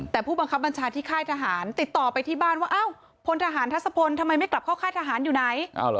แต่ผู้บังคับบัญชาที่ค่ายทหารติดต่อไปที่บ้านว่าอ้าวพลทหารทัศพลทำไมไม่กลับเข้าค่ายทหารอยู่ไหน